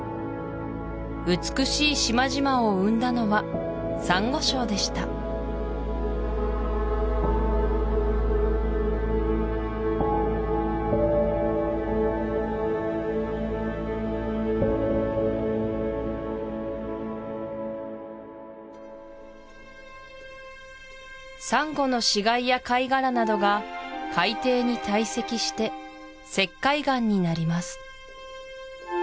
美しい島々を生んだのはサンゴ礁でしたサンゴの死骸や貝殻などが海底に堆積して石灰岩になります